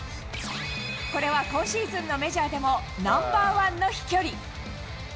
これは今シーズンのメジャーでもナンバー１の飛距離。